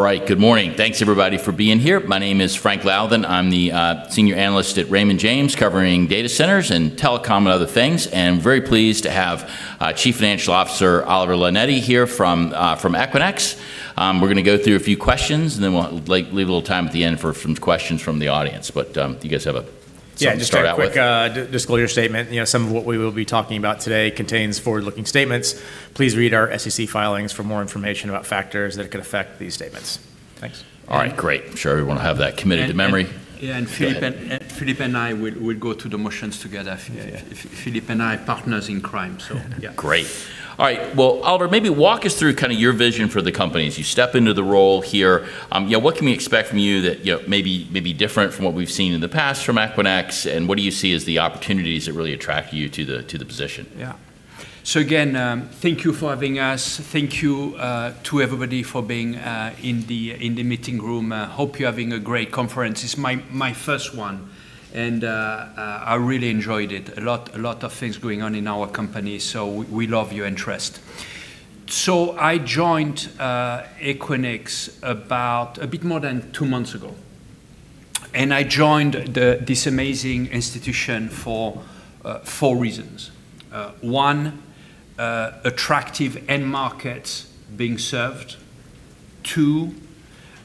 All right. Good morning. Thanks everybody for being here. My name is Frank Louthan. I'm the senior analyst at Raymond James, covering data centers and telecom and other things. Very pleased to have Chief Financial Officer, Olivier Leonetti, here from Equinix. We're going to go through a few questions, and then we'll leave a little time at the end for some questions from the audience. Yeah start out with? Just a quick disclosure statement. Some of what we will be talking about today contains forward-looking statements. Please read our SEC filings for more information about factors that could affect these statements. Thanks. All right, great. I'm sure everyone will have that committed to memory. Phillip and I will go through the motions together. Yeah. Phillip and I are partners in crime, so yeah. Great. All right. Well, Olivier, maybe walk us through your vision for the company as you step into the role here. What can we expect from you that may be different from what we've seen in the past from Equinix, and what do you see as the opportunities that really attract you to the position? Yeah. Again, thank you for having us. Thank you to everybody for being in the meeting room. Hope you're having a great conference. It's my first one, and I really enjoyed it. A lot of things going on in our company, we love your interest. I joined Equinix about a bit more than two months ago, and I joined this amazing institution for four reasons. One, attractive end markets being served. Two,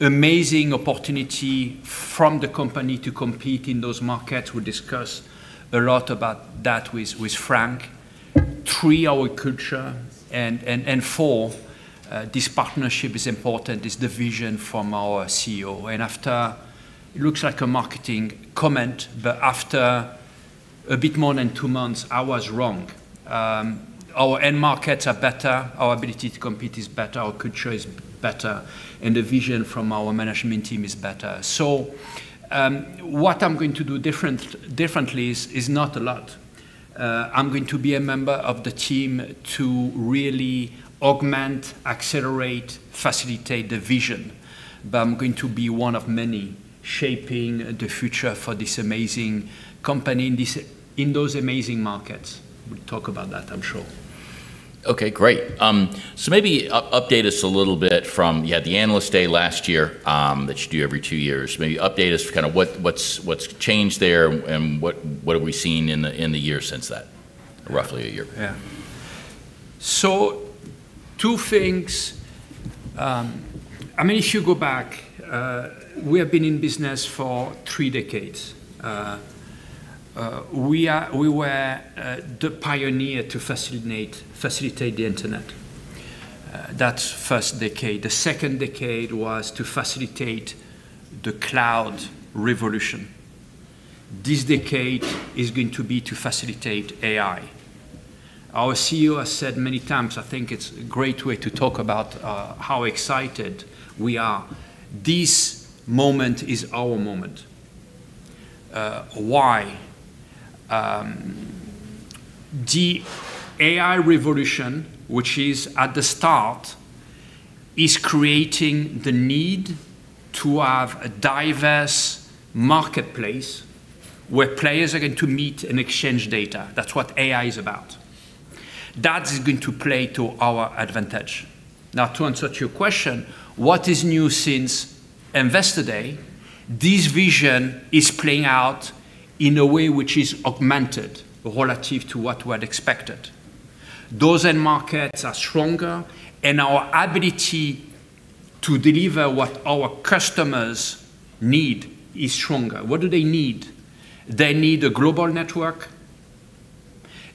amazing opportunity from the company to compete in those markets. We discussed a lot about that with Frank. Three, our culture, and four, this partnership is important, it's the vision from our CEO. It looks like a marketing comment, after a bit more than two months, I was wrong. Our end markets are better, our ability to compete is better, our culture is better, the vision from our management team is better. What I'm going to do differently is not a lot. I'm going to be a member of the team to really augment, accelerate, facilitate the vision. I'm going to be one of many shaping the future for this amazing company in those amazing markets. We'll talk about that, I'm sure. Okay, great. Maybe update us a little bit from, you had the analyst day last year, that you do every two years. Maybe update us what's changed there and what have we seen in the year since that, roughly a year. Two things. If you go back, we have been in business for three decades. We were the pioneer to facilitate the internet. That's first decade. The second decade was to facilitate the cloud revolution. This decade is going to be to facilitate AI. Our CEO has said many times, I think it's a great way to talk about how excited we are. This moment is our moment. Why. The AI revolution, which is at the start, is creating the need to have a diverse marketplace where players are going to meet and exchange data. That's what AI is about. That's going to play to our advantage. To answer to your question, what is new since Investor Day? This vision is playing out in a way which is augmented relative to what we had expected. Those end markets are stronger, and our ability to deliver what our customers need is stronger. What do they need? They need a global network.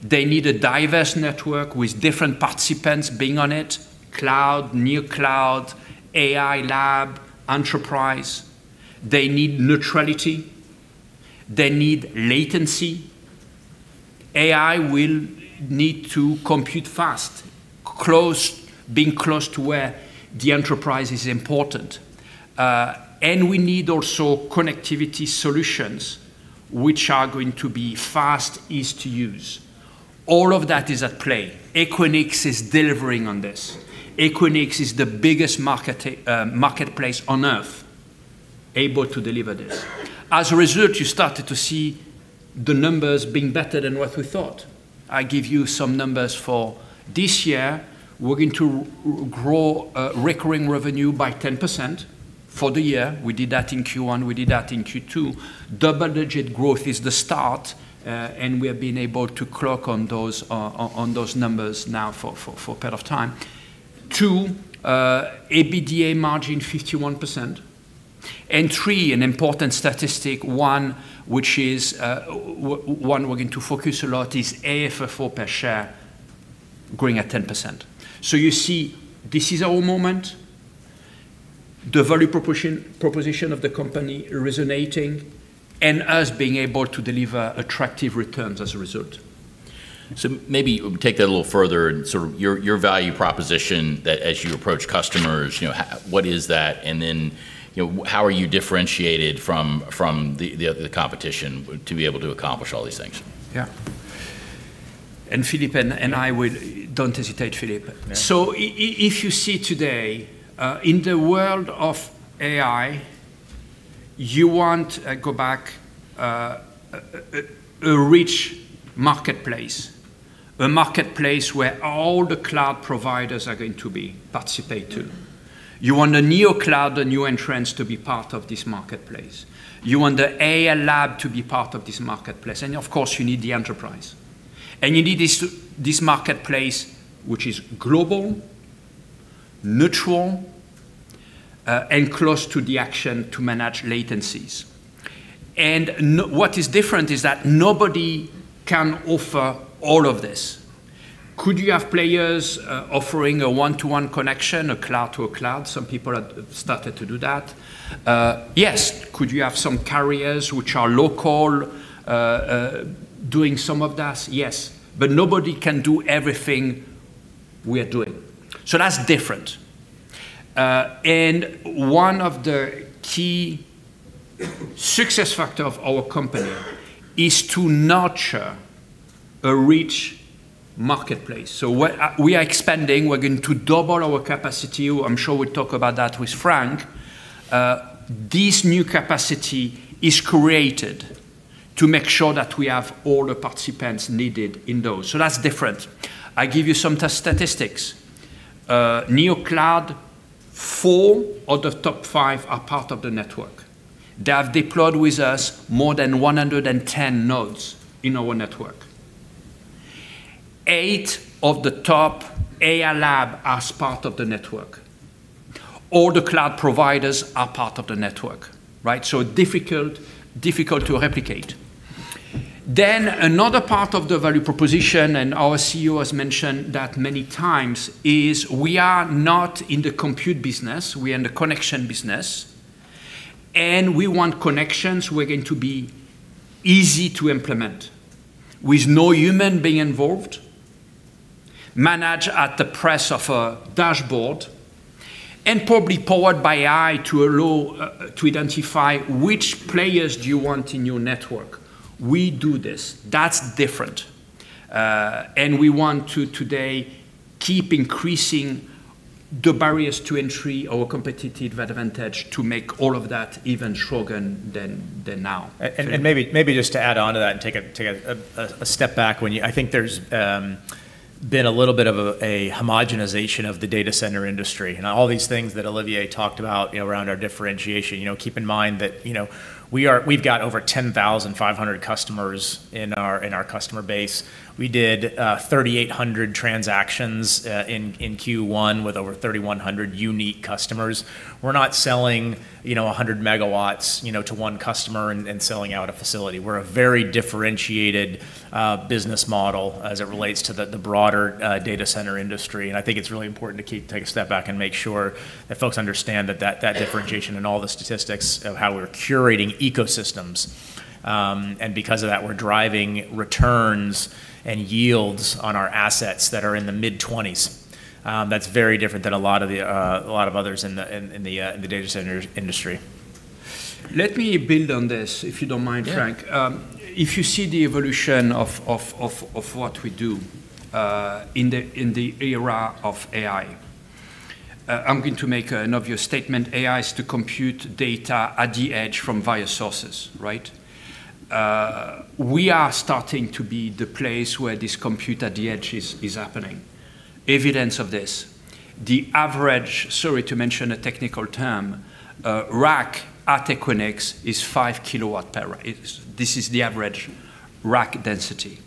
They need a diverse network with different participants being on it, cloud, new cloud, AI lab, enterprise. They need neutrality. They need latency. AI will need to compute fast, being close to where the enterprise is important. We need also connectivity solutions, which are going to be fast, easy to use. All of that is at play. Equinix is delivering on this. Equinix is the biggest marketplace on Earth able to deliver this. As a result, you started to see the numbers being better than what we thought. I give you some numbers for this year. We're going to grow recurring revenue by 10% for the year. We did that in first quarter, we did that in second quarter. Double-digit growth is the start, and we have been able to clock on those numbers now for a period of time. Two, EBITDA margin 51%. Three, an important statistic, one we're going to focus a lot is AFFO per share growing at 10%. You see, this is our moment, the value proposition of the company resonating, and us being able to deliver attractive returns as a result. Maybe take that a little further and your value proposition that as you approach customers, what is that, how are you differentiated from the competition to be able to accomplish all these things? Yeah. Don't hesitate, Phillip. Yeah. If you see today, in the world of AI. You want to go back a rich marketplace, a marketplace where all the cloud providers are going to be participating. You want the new cloud, the new entrants, to be part of this marketplace. You want the AI lab to be part of this marketplace. Of course, you need the enterprise. You need this marketplace, which is global, neutral, and close to the action to manage latencies. What is different is that nobody can offer all of this. Could you have players offering a one-to-one connection, a cloud to a cloud? Some people have started to do that. Yes. Could you have some carriers which are local doing some of that? Yes. Nobody can do everything we are doing. That's different. One of the key success factor of our company is to nurture a rich marketplace. We are expanding. We're going to double our capacity. I'm sure we'll talk about that with Frank Louthan. This new capacity is created to make sure that we have all the participants needed in those. That's different. I give you some statistics. New cloud, four of the top five are part of the network. They have deployed with us more than 110 nodes in our network. Eight of the top AI lab as part of the network. All the cloud providers are part of the network. Right? It's difficult to replicate. Another part of the value proposition, and our CEO has mentioned that many times, is we are not in the compute business. We are in the connection business, and we want connections which are going to be easy to implement, with no human being involved, managed at the press of a dashboard, and probably powered by AI to allow to identify which players do you want in your network. We do this. That's different. We want to, today, keep increasing the barriers to entry, our competitive advantage, to make all of that even stronger than now. Maybe just to add onto that and take a step back, I think there's been a little bit of a homogenization of the data center industry. All these things that Olivier talked about around our differentiation, keep in mind that we've got over 10,500 customers in our customer base. We did 3,800 transactions in first quarter with over 3,100 unique customers. We're not selling 100 megawatts to one customer and selling out a facility. We're a very differentiated business model as it relates to the broader data center industry. I think it's really important to take a step back and make sure that folks understand that differentiation, and all the statistics of how we're curating ecosystems. Because of that, we're driving returns and yields on our assets that are in the mid-20s. That's very different than a lot of others in the data center industry. Let me build on this, if you don't mind, Frank. Yeah. If you see the evolution of what we do in the era of AI, I'm going to make an obvious statement. AI is to compute data at the edge from various sources. Right? We are starting to be the place where this compute at the edge is happening. Evidence of this, the average, sorry to mention a technical term, rack at Equinix is 5 kilowatt per rack. This is the average rack density.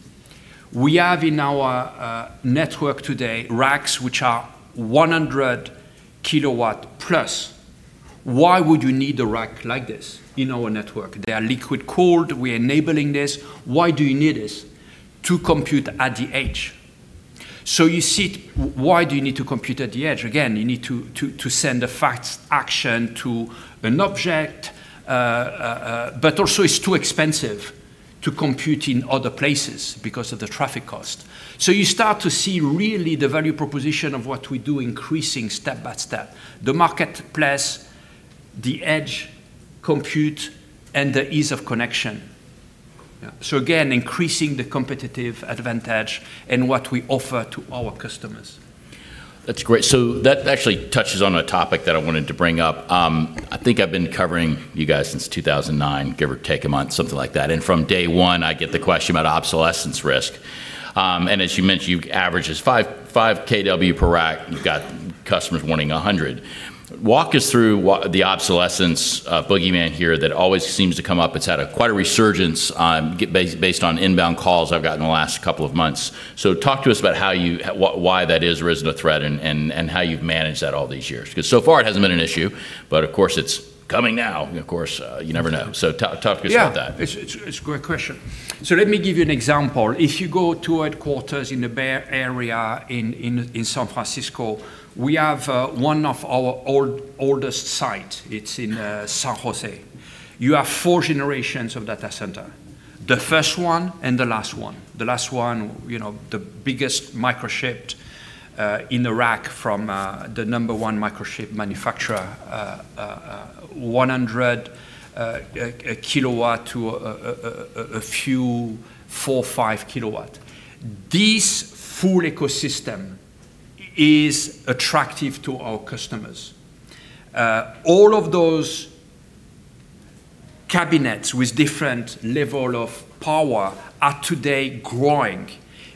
We have in our network today racks which are 100 kilowatt plus. Why would you need a rack like this in our network? They are liquid-cooled. We are enabling this. Why do you need this? To compute at the edge. You see why do you need to compute at the edge? You need to send a fast action to an object, but also it's too expensive to compute in other places because of the traffic cost. You start to see really the value proposition of what we do increasing step by step, the marketplace, the edge compute, and the ease of connection. Yeah. Again, increasing the competitive advantage in what we offer to our customers. That's great. That actually touches on a topic that I wanted to bring up. I think I've been covering you guys since 2009, give or take a month, something like that. From day one, I get the question about obsolescence risk. As you mentioned, your average is 5 kW per rack. You've got customers wanting 100. Walk us through the obsolescence boogeyman here that always seems to come up. It's had quite a resurgence based on inbound calls I've got in the last couple of months. Talk to us about why that has risen a threat and how you've managed that all these years, because so far it hasn't been an issue, but of course, it's coming now, and of course, you never know. Talk to us about that. Yeah. It's a great question. Let me give you an example. If you go to our headquarters in the Bay Area in San Francisco, we have one of our oldest sites. It's in San Jose. You have 4 generations of data center, the first one and the last one. The last one, the biggest microchip in the rack from the number 1 microchip manufacturer, 100 kilowatt to a few, 4, 5 kilowatt. This full ecosystem is attractive to our customers. All of those cabinets with different level of power are today growing,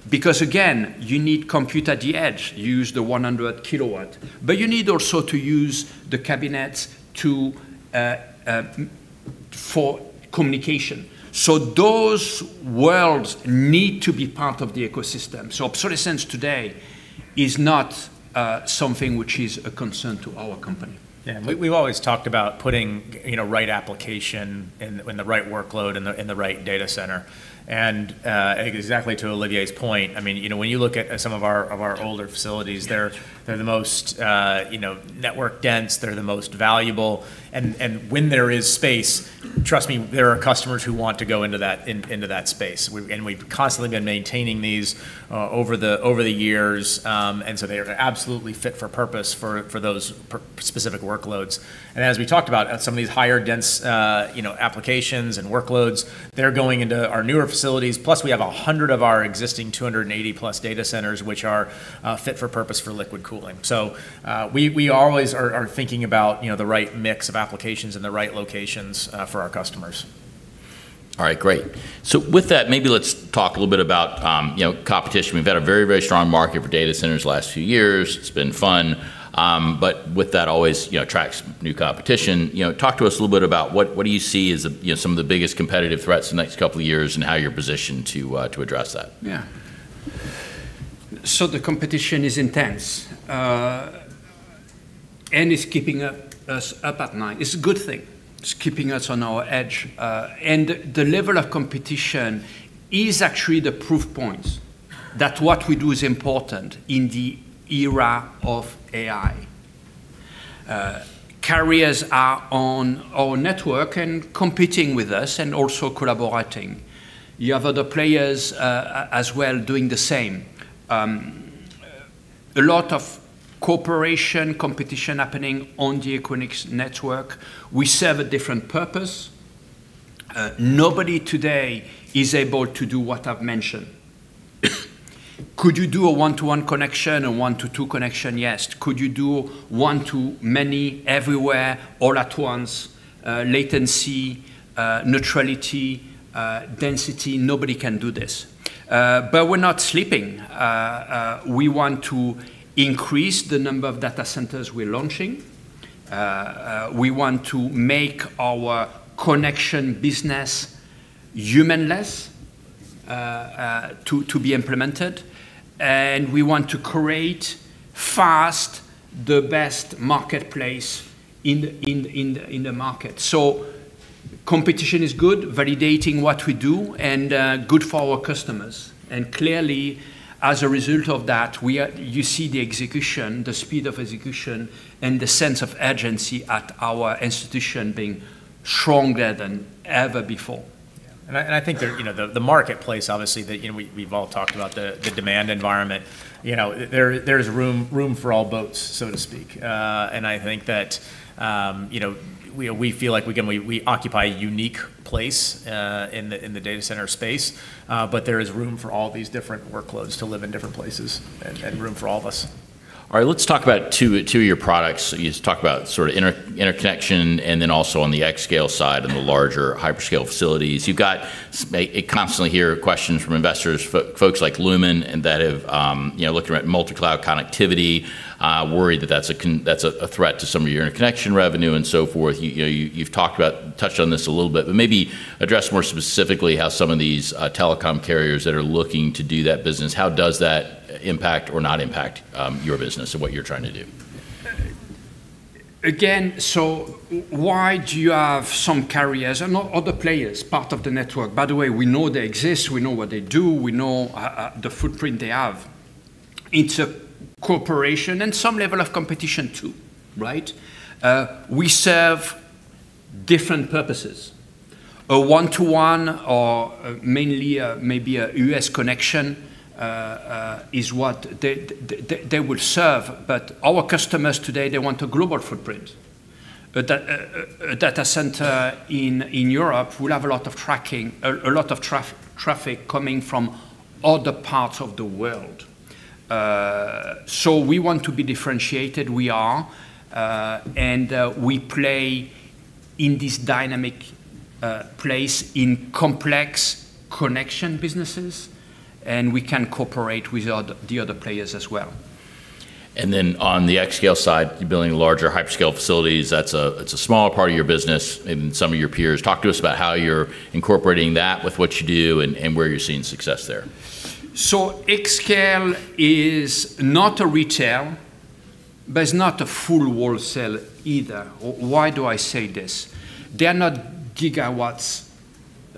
because again, you need compute at the edge, you use the 100 kilowatt. You need also to use the cabinets for communication. Those worlds need to be part of the ecosystem. Obsolescence today is not something which is a concern to our company. Yeah. We've always talked about putting right application and the right workload in the right data center. I think exactly to Olivier's point, when you look at some of our older facilities, they're the most network dense, they're the most valuable. When there is space, trust me, there are customers who want to go into that space. We've constantly been maintaining these over the years, and so they're absolutely fit for purpose for those specific workloads. As we talked about, some of these higher dense applications and workloads, they're going into our newer facilities. We have 100 of our existing 280 plus data centers, which are fit for purpose for liquid cooling. We always are thinking about the right mix of applications and the right locations for our customers. All right. Great. With that, maybe let's talk a little bit about competition. We've had a very strong market for data centers the last few years. It's been fun. With that always attracts new competition. Talk to us a little bit about what do you see as some of the biggest competitive threats in the next couple of years, and how you're positioned to address that? The competition is intense, and it's keeping us up at night. It's a good thing. It's keeping us on our edge. The level of competition is actually the proof points that what we do is important in the era of AI. Carriers are on our network and competing with us and also collaborating. You have other players, as well, doing the same. A lot of cooperation, competition happening on the Equinix network. We serve a different purpose. Nobody today is able to do what I've mentioned. Could you do a one-to-one connection, a one-to-two connection? Yes. Could you do one-to-many everywhere all at once, latency, neutrality, density? Nobody can do this. We're not sleeping. We want to increase the number of data centers we're launching. We want to make our connection business human-less to be implemented, and we want to create fast the best marketplace in the market. Competition is good, validating what we do, and good for our customers. Clearly, as a result of that, you see the execution, the speed of execution, and the sense of urgency at our institution being stronger than ever before. Yeah. I think the marketplace, obviously, we've all talked about the demand environment. There's room for all boats, so to speak. I think that we feel like we occupy a unique place in the data center space. There is room for all these different workloads to live in different places and room for all of us. All right. Let's talk about two of your products. You just talked about sort of interconnection and then also on the xScale side and the larger hyperscale facilities. I constantly hear questions from investors, folks like Lumen, that have looked around multi-cloud connectivity, worried that that's a threat to some of your interconnection revenue and so forth. You've touched on this a little bit, but maybe address more specifically how some of these telecom carriers that are looking to do that business, how does that impact or not impact your business and what you're trying to do? Why do you have some carriers and other players part of the network? By the way, we know they exist, we know what they do, we know the footprint they have. It's a cooperation and some level of competition, too. We serve different purposes. A one-to-one or mainly maybe a U.S. connection, is what they will serve. Our customers today, they want a global footprint. A data center in Europe will have a lot of traffic coming from other parts of the world. We want to be differentiated. We are. We play in this dynamic place in complex connection businesses, and we can cooperate with the other players as well. On the xScale side, you're building larger hyperscale facilities. It's a smaller part of your business than some of your peers. Talk to us about how you're incorporating that with what you do and where you're seeing success there. xScale is not a retail, but it's not a full wholesale either. Why do I say this? They are not gigawatts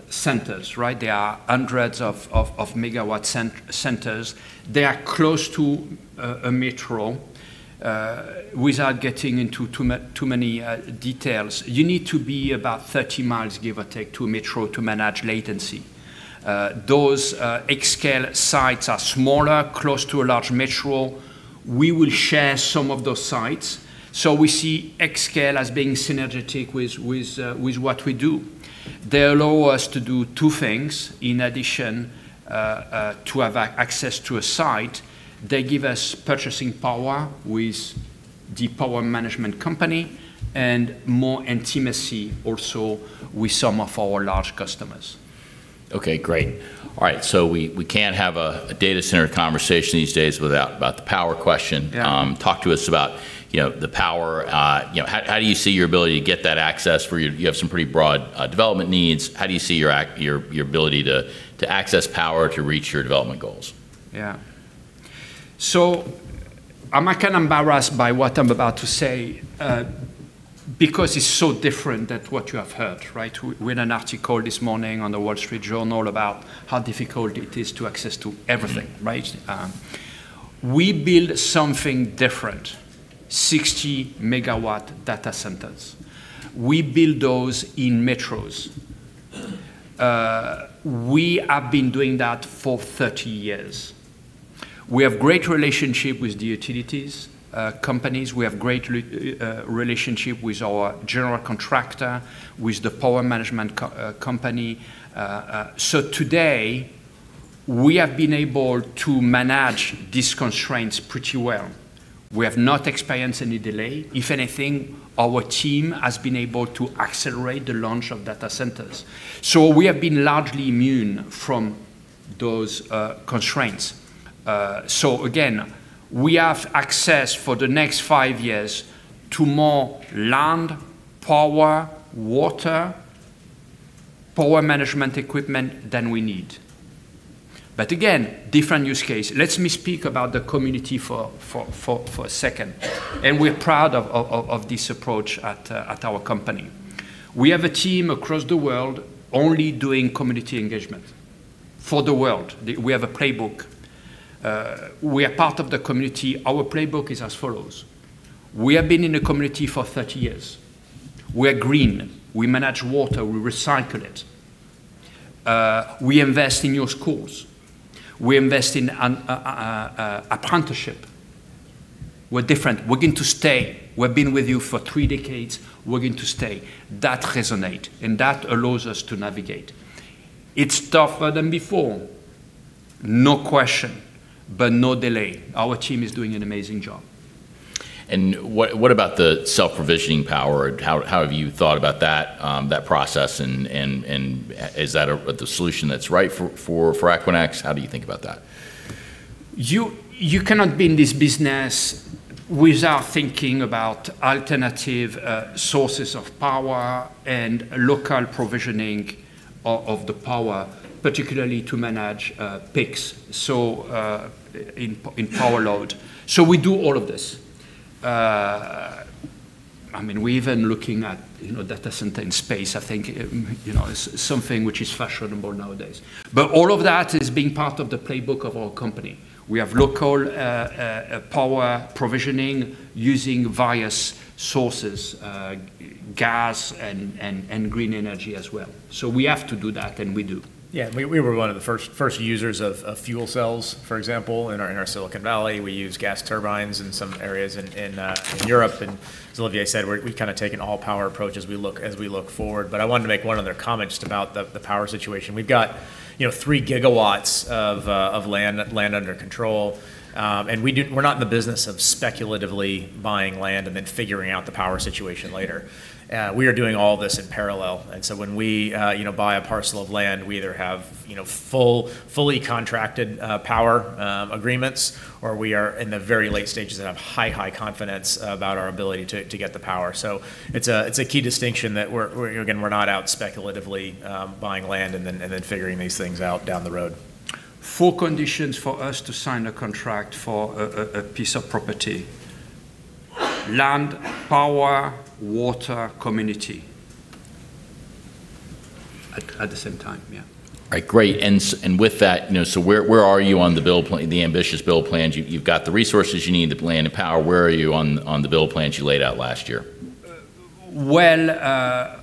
centers. They are hundreds of megawatt centers. They are close to a metro. Without getting into too many details, you need to be about 30 miles, give or take, to a metro to manage latency. Those xScale sites are smaller, close to a large metro. We will share some of those sites. We see xScale as being synergetic with what we do. They allow us to do two things. In addition to have access to a site, they give us purchasing power with the power management company and more intimacy also with some of our large customers. Okay, great. All right. We can't have a data center conversation these days without the power question. Yeah. Talk to us about the power. How do you see your ability to get that access? You have some pretty broad development needs. How do you see your ability to access power to reach your development goals? I'm kind of embarrassed by what I'm about to say, because it's so different than what you have heard, right? We read an article this morning on The Wall Street Journal about how difficult it is to access to everything, right? We build something different, 60 megawatt data centers. We build those in metros. We have been doing that for 30 years. We have great relationship with the utilities, companies. We have great relationship with our general contractor, with the power management company. Today, we have been able to manage these constraints pretty well. We have not experienced any delay. If anything, our team has been able to accelerate the launch of data centers. We have been largely immune from those constraints. Again, we have access for the next five years to more land, power, water, power management equipment than we need. Again, different use case. Let me speak about the community for a second, and we're proud of this approach at our company. We have a team across the world only doing community engagement for the world. We have a playbook. We are part of the community. Our playbook is as follows. We have been in the community for 30 years. We are green. We manage water. We recycle it. We invest in your schools. We invest in apprenticeship. We're different. We're going to stay. We've been with you for three decades. We're going to stay. That resonate, and that allows us to navigate. It's tougher than before, no question, but no delay. Our team is doing an amazing job. What about the self-provisioning power? How have you thought about that process, and is that the solution that's right for Equinix? How do you think about that? You cannot be in this business without thinking about alternative sources of power and local provisioning of the power, particularly to manage peaks in power load. We do all of this. We're even looking at data center in space. I think it's something which is fashionable nowadays. All of that is being part of the playbook of our company. We have local power provisioning using various sources, gas and green energy as well. We have to do that, and we do. We were one of the first users of fuel cells, for example, in our Silicon Valley. We use gas turbines in some areas in Europe. As Olivier said, we've kind of taken an all-power approach as we look forward. I wanted to make one other comment just about the power situation. We've got three gigawatts of land under control. We're not in the business of speculatively buying land and then figuring out the power situation later. We are doing all this in parallel, when we buy a parcel of land, we either have fully contracted power agreements, or we are in the very late stages and have high confidence about our ability to get the power. It's a key distinction that, again, we're not out speculatively buying land and then figuring these things out down the road. Four conditions for us to sign a contract for a piece of property, land, power, water, community. At the same time, yeah. All right. Great. With that, where are you on the ambitious build plans? You've got the resources you need, the plan, the power. Where are you on the build plans you laid out last year? Well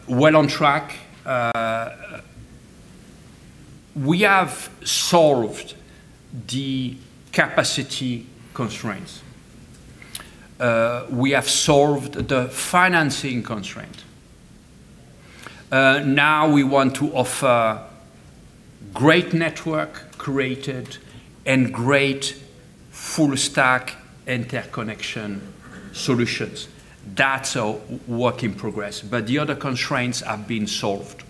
on track. We have solved the capacity constraints. We have solved the financing constraint. Now we want to offer great network created and great full stack interconnection solutions. That's a work in progress, but the other constraints have been solved.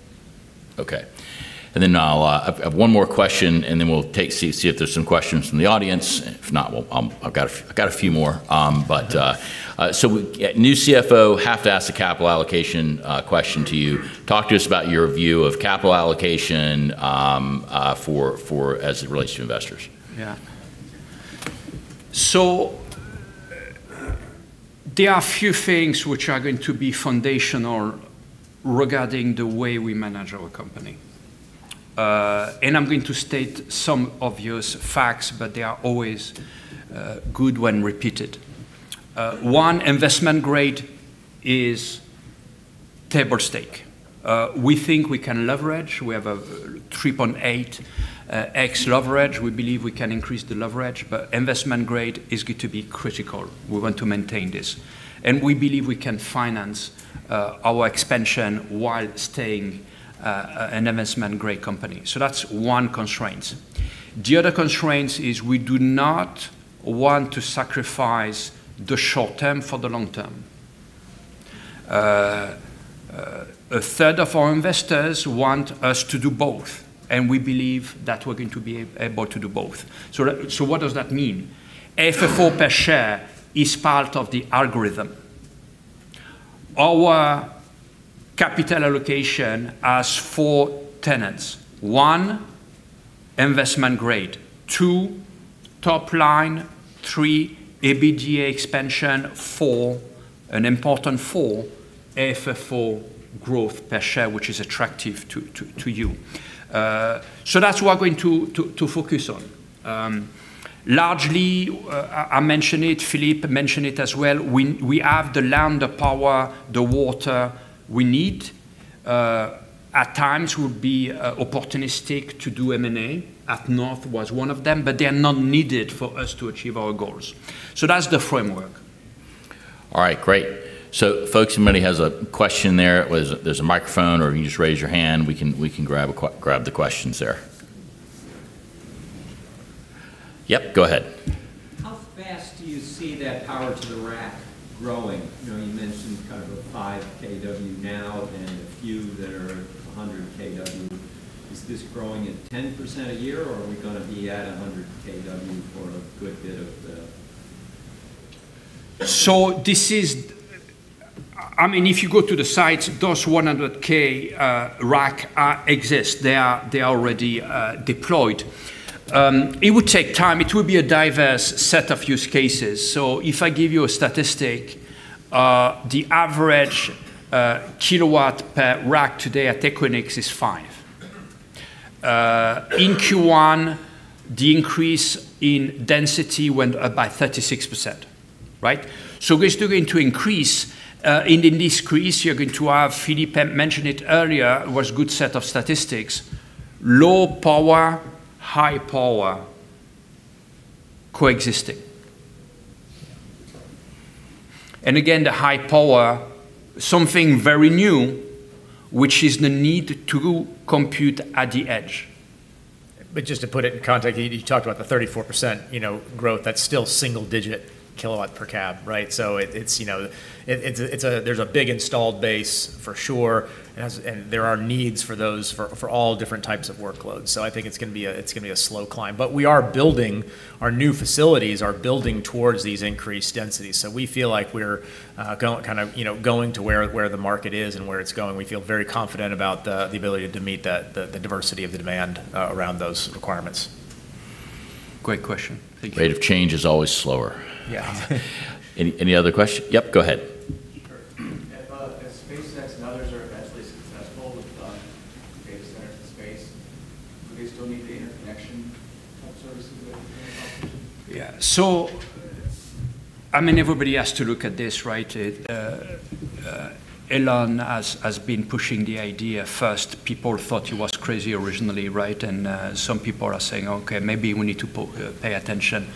Okay. I have one more question, then we'll see if there's some questions from the audience. If not, I've got a few more. New CFO, have to ask a capital allocation question to you. Talk to us about your view of capital allocation as it relates to investors. Yeah. There are a few things which are going to be foundational regarding the way we manage our company. I'm going to state some obvious facts, but they are always good when repeated. One, investment grade is table stake. We think we can leverage. We have a 3.8x leverage. We believe we can increase the leverage, but investment grade is going to be critical. We want to maintain this, and we believe we can finance our expansion while staying an investment-grade company. That's one constraint. The other constraint is we do not want to sacrifice the short term for the long term. A third of our investors want us to do both, and we believe that we're going to be able to do both. What does that mean? AFFO per share is part of the algorithm. Our capital allocation has four tenets. One, investment grade. Two, top line. Three, EBITDA expansion. Four, an important four, AFFO growth per share, which is attractive to you. That's what we are going to focus on. Largely, I mention it, Phillip mention it as well, we have the land, the power, the water we need. At times we'll be opportunistic to do M&A at North was one of them, but they are not needed for us to achieve our goals. That's the framework. All right, great. Folks, anybody has a question there's a microphone, or you can just raise your hand. We can grab the questions there. Yep, go ahead. How fast do you see that power to the rack growing? You mentioned kind of a 5 kW now and a few that are 100 kW. Is this growing at 10% a year, or are we going to be at 100 kW? If you go to the sites, those 100K rack exist. They are already deployed. It would take time. It will be a diverse set of use cases. If I give you a statistic, the average kilowatt per rack today at Equinix is five. In Q1, the increase in density went up by 36%, right? We're still going to increase. In this increase, you're going to have, Phillip mentioned it earlier, was good set of statistics, low power, high power coexisting. Again, the high power, something very new, which is the need to compute at the edge. Just to put it in context, you talked about the 34% growth. That's still single-digit kilowatt per cab, right? There's a big installed base for sure, and there are needs for those for all different types of workloads. I think it's going to be a slow climb, but our new facilities are building towards these increased densities. We feel like we're going to where the market is and where it's going. We feel very confident about the ability to meet the diversity of the demand around those requirements. Great question. Thank you. Rate of change is always slower. Yeah. Any other question? Yep, go ahead. Sure. If SpaceX and others are eventually successful with data centers in space, would they still need the interconnection type services that you're talking about? Yeah. Everybody has to look at this, right? Elon has been pushing the idea. First, people thought he was crazy originally, right? Some people are saying, "Okay, maybe we need to pay attention."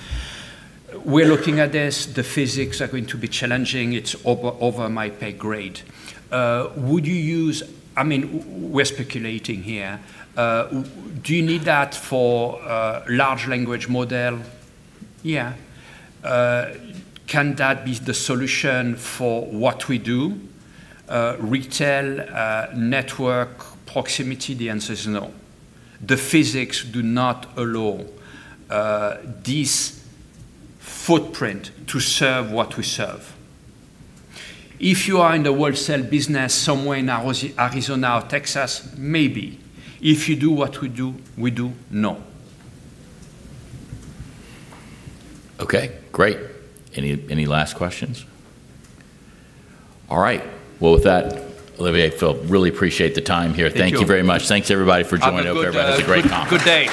We're looking at this. The physics are going to be challenging. It's over my pay grade. We're speculating here. Do you need that for large language model? Yeah. Can that be the solution for what we do? Retail, network proximity, the answer is no. The physics do not allow this footprint to serve what we serve. If you are in the wholesale business somewhere in Arizona or Texas, maybe. If you do what we do, no. Okay, great. Any last questions? All right. Well, with that, Olivier, Phillip, really appreciate the time here. Thank you. Thank you very much. Thanks everybody for joining up. Have a good day.